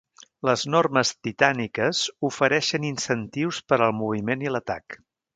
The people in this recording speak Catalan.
Les normes "Titàniques" ofereixen incentius per al moviment i l'atac.